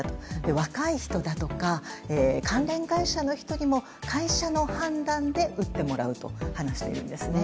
若い人だとか、関連会社の人にも会社の判断で打ってもらうと話しているんです。